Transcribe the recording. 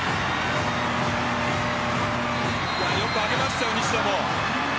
よく上げましたよ、西田も。